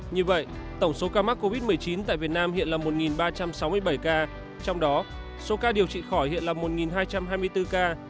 như vậy tổng số ca mắc covid một mươi chín tại việt nam hiện là một ba trăm sáu mươi bảy ca trong đó số ca điều trị khỏi hiện là một hai trăm hai mươi bốn ca